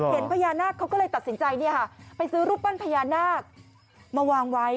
เห็นพญานาคเขาก็เลยตัดสินใจไปซื้อรูปปั้นพญานาคมาวางไว้